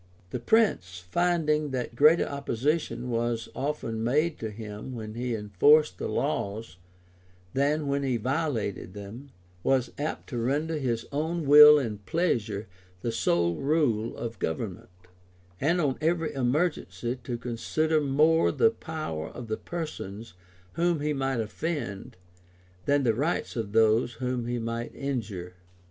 The prince, finding that greater opposition was often made to him when he enforced the laws than when he violated them, was apt to render his own will and pleasure the sole rule of government; and on every emergency to consider more the power of the persons whom he might offend, than the rights of those whom he might injure.